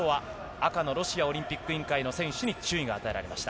赤のロシアオリンピック委員会の選手に注意が与えられました。